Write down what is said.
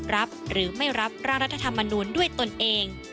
รับหรือไม่รับร่างรัฐธรรมนูลด้วยตนเอง